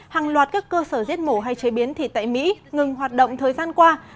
hàng loạt các cơ sở giết mổ hay chế biến thịt tại mỹ ngừng hoạt động thời gian qua